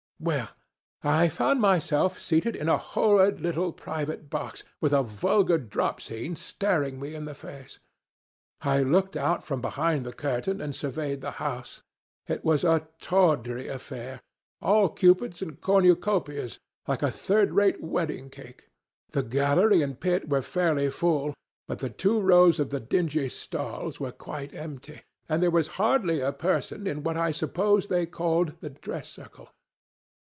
"Well, I found myself seated in a horrid little private box, with a vulgar drop scene staring me in the face. I looked out from behind the curtain and surveyed the house. It was a tawdry affair, all Cupids and cornucopias, like a third rate wedding cake. The gallery and pit were fairly full, but the two rows of dingy stalls were quite empty, and there was hardly a person in what I suppose they called the dress circle.